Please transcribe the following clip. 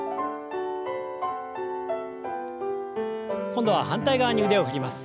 今度は反対側に腕を振ります。